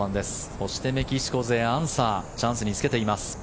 そしてメキシコ勢、アンサーチャンスにつけています。